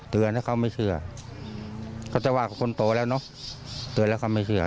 เตือนถ้าเขาก็ไม่เชื่อ